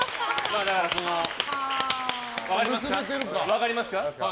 分かりますか？